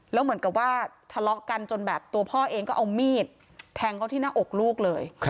แล้วเหมือนกับว่าทะเลาะกันจนแบบตัวพ่อเองก็เอามีดแทงเขาที่หน้าอกลูกเลย